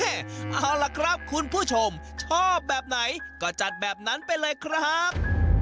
เอาล่ะครับคุณผู้ชมชอบแบบไหนก็จัดแบบนั้นไปเลยครับ